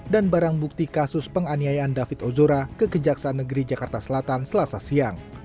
dan barang bukti kasus penganiayaan david ozora ke kejaksaan negeri jakarta selatan selasa siang